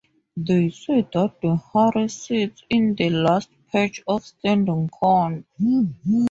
They say that the hare sits in the last patch of standing corn.